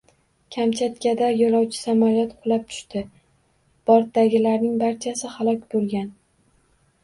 Kamchatkada yo‘lovchi samolyot qulab tushdi. Bortdagilarning barchasi halok bo‘lgan